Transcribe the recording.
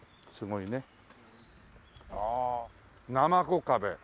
ああなまこ壁。